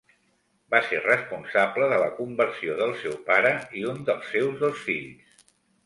Va ser responsable de la conversió del seu pare i un dels seus dos fills.